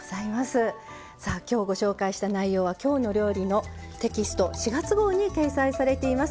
今日、ご紹介した内容は「きょうの料理」テキスト４月号掲載されています。